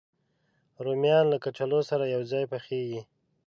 رومیان له کچالو سره یو ځای پخېږي